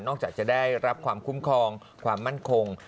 จากจะได้รับความคุ้มครองความมั่นคง